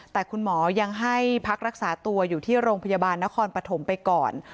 แต่คุณหมอยังให้พักรักษาตัวอยู่ที่โรงพยาบาลนครปฐมไปก่อน